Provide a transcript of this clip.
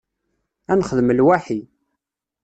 Ad nexdem lwaḥi.